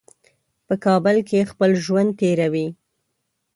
په کابل کې خپل ژوند تېروي.